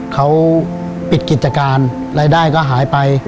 เขาปิดกิจการรายได้ก็หายไป